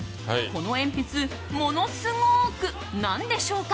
この鉛筆ものすごく何でしょうか？